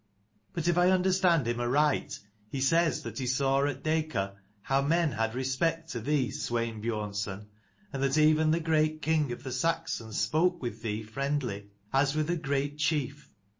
But if I understand him aright he says that he saw at Dacor how men had respect to thee, Swein Biornson : and that even the great king of the Saxons spoke with thee friendly, as with a great chief.